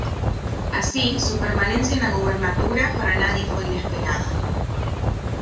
Así, su permanencia en la gubernatura para nadie fue inesperada.